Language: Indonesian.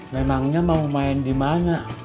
memangnya mau main di mana